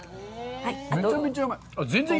めちゃめちゃうまい。